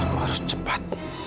aku harus cepat